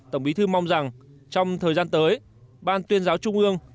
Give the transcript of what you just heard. tổng bí thư mong rằng trong thời gian tới ban tuyên giáo trung ương